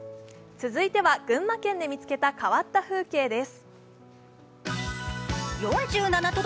続いては群馬県で見つけた変わった風景です。